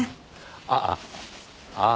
あっああ